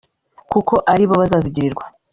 kuko aribo bazazigirirwa